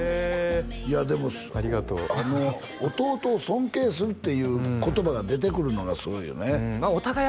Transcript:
ありがとう弟を尊敬するっていう言葉が出てくるのがすごいよねお互い